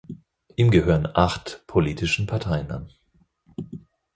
Ihm gehören acht politischen Parteien an.